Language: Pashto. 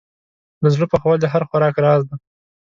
له زړه پخول د هر خوراک راز دی.